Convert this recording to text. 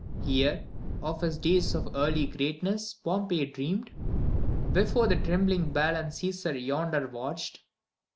Here, of his days of early greatness Pompey dreamed : Before the trembling balance CsBsar yonder watched!